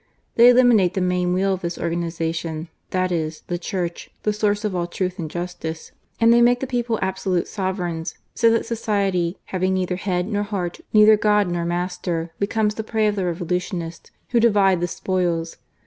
They eliminate the main wheel of this organization, that is, the Church, the source of all truth and justice, and they make the people absolute sovereigns: so that society, having neither head nor heart, neither God nor Master, becomes the prey of the Revolutionists, who divide the spoils.